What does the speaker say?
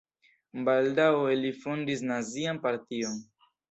Baldaŭe li fondis nazian partion.